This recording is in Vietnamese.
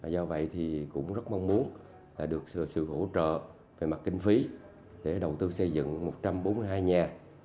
do vậy thì cũng rất mong muốn được sự hỗ trợ về mặt kinh phí để đầu tư xây dựng một trăm bốn mươi hai nhà